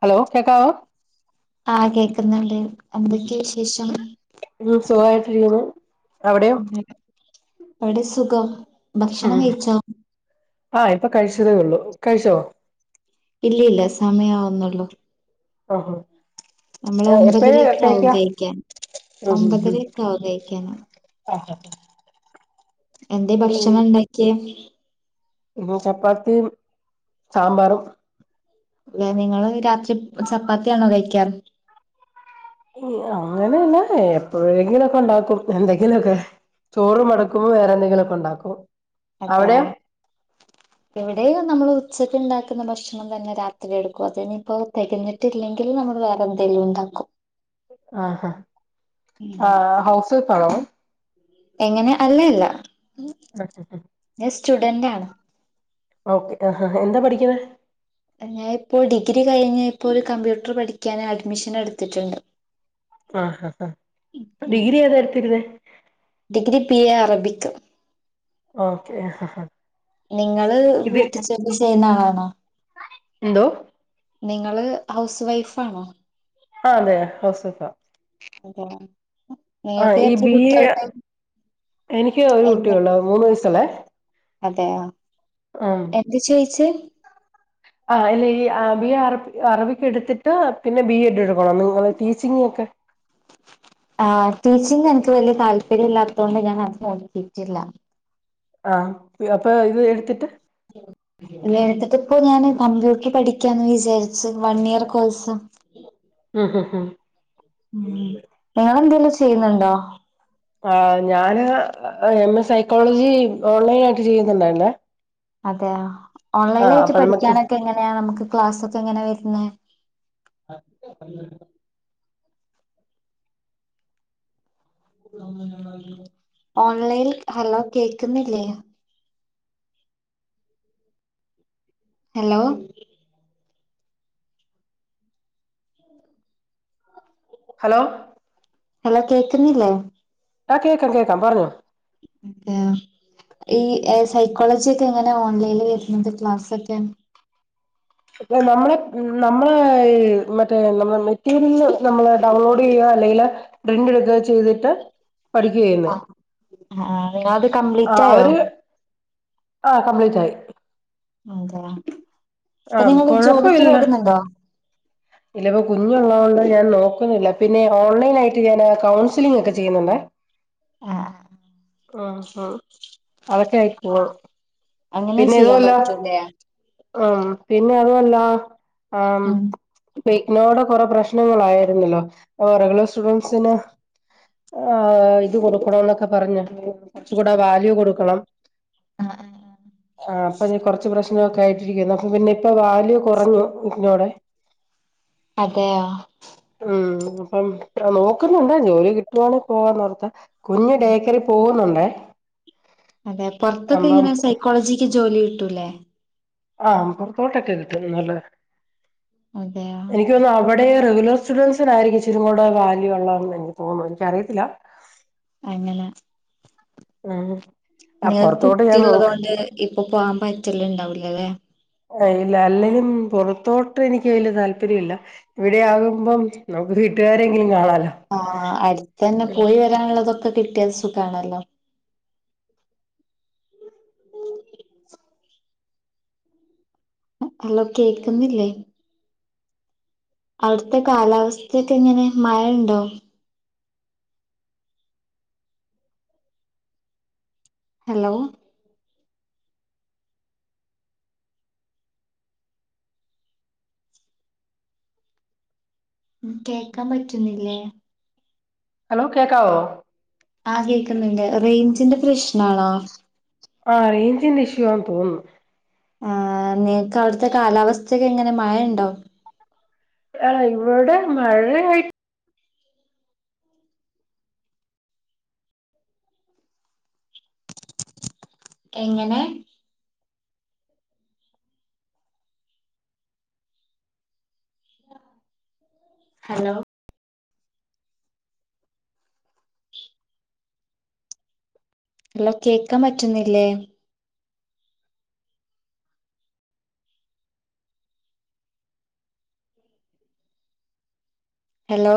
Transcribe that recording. Hello കേക്കാവോ ആ കേക്കുന്നുണ്ട് എന്തൊക്കെയ വിശേഷം ഉം സുഖായിട്ടിരിക്കുന്നു അവിടെയോ വിടിം സുഖം ഭക്ഷണം കഴിച്ചോ ആഹ ഇപ്പൊ കഴിച്ചതേ ഉള്ളൂ കഴിച്ചോ ഇല്ല ഇല്ല സമയവുന്നുള്ളൂ ആഹ നമ്മള് ഒമ്പതരേഒക്കെ ആവും കഴിക്കാൻ ഉം ഉം അമ്പതരക്കാവും കഴിക്കാൻ എന്തേ ഭക്ഷണം ഉണ്ടാക്കിയെ പിന്ന ചപ്പാത്തിംസാമ്പാറും അല്ല നിങ്ങള് രാത്രി ചപ്പാത്തിയാണോ കഴിക്കാറ് അങ്ങനെയല്ല എപ്പോഴെങ്കിലുംഒക്കെ ഉണ്ടാക്കും എന്തെങ്കിലുംഒക്കെ ചോറും മടക്കുമ്പോ വേറെ എന്തെങ്കിലുമൊക്കെ ഉണ്ടാക്കും അതെയ അവിടെയോ എവിടെയ നമ്മൾ ച്ചക്ക് ണ്ടാക്കുന്ന ഭക്ഷണം തന്നെ രാത്രിയെടുക്കും അതിനിപ്പോ തെകഞ്ഞിട്ടില്ലെങ്കിൽ നമ്മൾ വേറെ ന്തേലു ണ്ടാക്കും ആ ഹ ഉം. ആ ഹൗസ് വൈഫാണോ എങ്ങനെ അല്ല അല്ല ഹ ഹ ഹ സ്റ്റുഡന്റാണ് ഓക്കെ ആഹ് ഹാ ഹാ എന്താ പഠിക്കുന്നെ? ഞാ ഇപ്പോ ഡിഗ്രി കഴിഞ്ഞിപ്പൊരു കമ്പ്യൂട്ടർ പഠിക്കാന് അഡ്മിഷൻ എടുത്തിട്ട്ണ്ട്. ആഹ് ആഹ് ഡിഗ്രി ഏതാ എട്ത്തിരുന്നെ? Degree B A Arabic okay ആഹ് ആഹ് നിങ്ങള് വീട്ട് ജോലി ചെയ്യ്ണ ആളാണോ? ന്തോ നിങ്ങള് ഹൗസ് വൈഫാണോ ആ അതെ ഹൗസ് വൈഫ അതെയോ ആ ഈ ബി എ എനിക്ക് ഒരു കുട്ട്യോള്ളു മൂന്ന് വയസ്സ് ള്ളെ അതെ പ്പെന്ത് ചോയ്ച്ചെ? ആ അല്ലെ ഈ ഏ ബി എ അറബി അറബിക്കെടുത്തിട്ട് പിന്നെ ബി എഡ് എടുക്കണം നിങ്ങൾ ടീച്ചിങ്ങിനൊക്കെ ആ ടീച്ചിങ് എനിക്ക് വല്ല്യ താല്പര്യല്ലാത്തോണ്ട് ഞാൻ അത് നോക്കിയിട്ടില്ല ആഹ് അപ്പൊ ഇത് എട്ത്തിട്ട് ല്ലെ എട്ത്തിട്ട് പ്പോ ഞാന് കമ്പ്യൂട്ടർ പഠിക്കാന്ന് വിചാരിച്ച് വൺ ഇയർ കോഴ്സ് ആഹ് ഹ് ഹ് മ് വേറെന്തേലും ചെയ്യ്ന്ന്ണ്ടോ ആ ഞാന് എം എ സൈക്കോളജി ഓൺലൈൻ ആയിട്ട് ചെയ്യുന്നുണ്ടായിർന്നെ അതെയൊ ഓൺലൈൻലായിട്ട് അപ്പൊ നമുക്ക് പഠിക്കാനൊക്കെ എങ്ങനെയാ നമുക്ക് ക്ലാസൊക്കെങ്ങനെ വര്ന്നെ [inaudible] ഓൺലൈൻ ഹലോ കേക്ക്ന്നില്ലേ ഹലോ ഹലോ ഹലോ കേക്ക്ന്നില്ലേ ആഹ് കേക്കാം കേക്കാം പറഞ്ഞോ. [unintelligible] ഈ ഏ സൈക്കോളജിയൊക്കെങ്ങനെ ഓൺലൈനിൽ വരുന്നത് ക്ലാസൊക്കെ നമ്മളെ നമ്മളെ മറ്റേ നമ്മുടെ മെറ്റീരിയൽ നമ്മള് ഡൗൺലോഡ് ചെയ്യ അല്ലങ്കിൽ പ്രിന്റട്ക്കേച്ചെയ്തിട്ട് പഠിക്കചെയ്യ്ന്നേ അ ആ ങ്ങൾത് കംപ്ലീറ്റായോ ആ കംപ്ലീറ്റ് ആയി അതെ ആഹ് പ്പംനിങ്ങൾ ജോലിക്ക് പോകുന്നുണ്ടോ ല്ലപ്പൊ കുഞ്ഞ്ള്ളോണ്ട് ഞാൻ നോക്കുന്നില്ല പിന്നെ ഓൺലൈൻ ആയിട്ട് ഞാൻ കൗൺസിലിംങ്ങൊക്കെ ചെയ്യുന്നുണ്ടേ ആഹ് ആ ആഹ് അതൊക്കെ ആയി പോണു ആഹ് അങ്ങനെ ചെയ്യാൻ പറ്റു ലേ ആ പിന്നെ അതുമല്ല ആ ഉം ഫേക്ക് നോടെ കൊറെ പ്രശ്നങ്ങളായിരുന്നല്ലോ ഓ റെഗുലർ സ്റ്റുഡന്റ്സിന് ആ ഇത് കൊടുക്കണം ന്നൊക്കെ പറഞ് കുറച്ച്കൂടെ വാല്യൂ കൊടുക്കണം ആ ആ ആ ആഹ് പ്പ ഞ് കൊർച് പ്രശ്നൊക്കാ ക്കെയിട്ടിരിക്കുന്നു അപ്പ പിന്നെ പ്പൊ വാല്യൂ കുറഞ്ഞു ഇഗ്നോടെ അതെയൊ ഉം അപ്പം നോക്കുന്നുണ്ട് ജോലി കിട്ടുവാണേൽ പോവാന്നോർത്ത് കുഞ്ഞ് ഡേകെയറിൽ പോകുന്നുണ്ടേ അതെ പൊറത്തൊക്കെ അപ്പം എങ്ങനെ സൈക്കോളജിക്ക് ജോലി കിട്ടൂല്ലേ ആ പുറത്തോട്ടൊക്കെ കിട്ടും നല്ലോണം അതെയാ അവിടെ റെഗുലർ സ്റ്റുഡൻറ്സിനായിരിക്കും ഇച്ചിരി കൂടെ വാല്യൂ ഉള്ളതെന്ന് എനിക്ക് തോന്നുന്നു എനിക്കറിയത്തില്ല അങ്ങനെ ആഹാ നിങ്ങൾ കുട്ടിയള്ളത് കൊണ്ട് ഇപ്പൊ പോകാൻ പറ്റല് ഇണ്ടാവൂല്ലല്ലെ അ ഇല്ല അല്ലെങ്കി പുറത്തോട്ട് എനിക്ക് വല്യ താല്പര്യല്ല ഇവിടെ ആകുമ്പം നമ്മക്ക് വീട്ടുകാരെങ്കിലും കാണാലോ ആഹ് അടുത്തന്നെ പോയി വരാനുള്ളതൊക്കെ കിട്ടി സുഖാണല്ലോ ഹലോ കേക്കുന്നില്ലേ അവിടുത്തെ കാലാവസ്ഥൊക്കെ എങ്ങനെ മഴണ്ടോ ഹലോ കേക്കാൻ പറ്റുന്നില്ലേ ഹലോ കേക്കാവോ ആ കേക്കുന്നുണ്ട് റേഞ്ചിന്റെ പ്രശ്നാണോ ആഹ് റേഞ്ചിന്റെ ഇഷ്യൂ ആന്ന് തോന്നുന്നു ആഹ് നിങ്ങക്ക് അവിടുത്തെ കാലാവസ്ഥക്ക എങ്ങനെ മഴണ്ടോ ആഹ് ഇവിടെ മഴയായി എങ്ങനെ ഹലോ ഹലോ കേക്കാൻ പറ്റുന്നില്ലേ ഹലോ